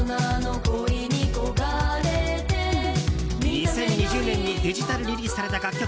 ２０２０年にデジタルリリースされた楽曲